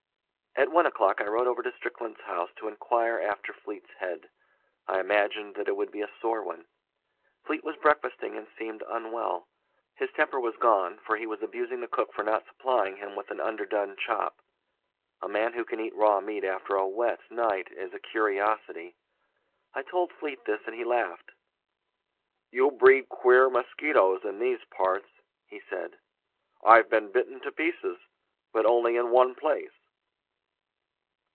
At one o'clock I rode over to Strickland's house to inquire after Fleete's head. I imagined that it would be a sore one. Fleete was breakfasting and seemed unwell. His temper was gone, for he was abusing the cook for not supplying him with an underdone chop. A man who can eat raw meat after a wet night is a curiosity. I told Fleete this and he laughed. 'You breed queer mosquitoes in these parts,' he said. 'I've been bitten to pieces, but only in one place.